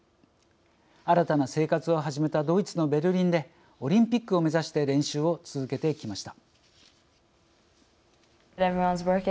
新たな生活を始めたドイツのベルリンでオリンピックを目指して練習を続けてきました。